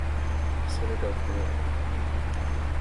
Senator of Nevada.